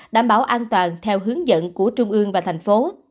đảm bảo an toàn theo hướng dẫn của trung ương và thành phố